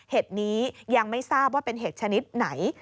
นี้ยังไม่ทราบว่าเป็นเห็ดชนิดไหน